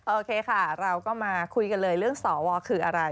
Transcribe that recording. โอเคค่ะเราก็มาคุยกันเลยเรื่องสวคืออะไร